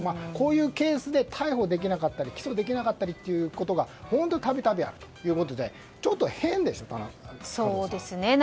こういうケースで逮捕できなかったり起訴できなかったりということが本当に度々あるということでちょっと変ですね。